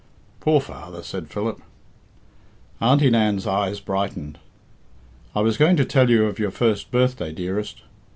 "Poor father!" said Philip. Auntie Nan's eyes brightened. "I was going to tell you of your first birthday, dearest.